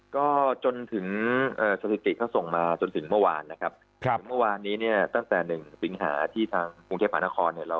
ก็จนถึงสถิติเขาส่งมาจนถึงเมื่อวานนะครับถึงเมื่อวานนี้เนี่ยตั้งแต่๑สิงหาที่ทางกรุงเทพหานครเนี่ย